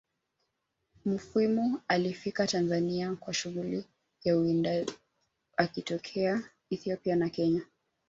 Mufwimi alifika Tanzania kwa shughuli ya uwinda akitokea Ethiopia na kenya